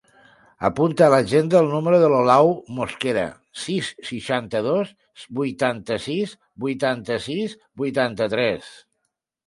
Apunta a l'agenda el número de l'Olau Mosquera: sis, seixanta-dos, vuitanta-sis, vuitanta-sis, vuitanta-tres.